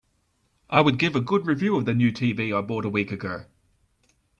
I would give a good review of the new TV I bought a week ago.